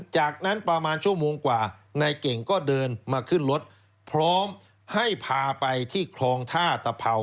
จากนั้นประมาณชั่วโมงกว่านายเก่งก็เดินมาขึ้นรถพร้อมให้พาไปที่คลองท่าตะเผา